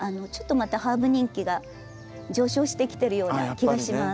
またハーブ人気が上昇してきてるような気がします。